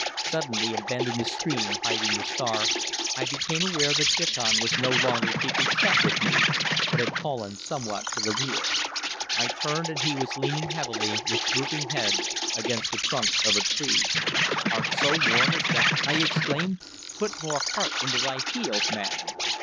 Suddenly, a bend in the stream hiding the star, I became aware that Diccon was no longer keeping step with me, but had fallen somewhat to the rear. I turned, and he was leaning heavily, with drooping head, against the trunk of a tree. "Art so worn as that?" I exclaimed. "Put more heart into thy heels, man!"